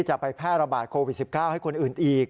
จะไปแพร่ระบาดโควิด๑๙ให้คนอื่นอีก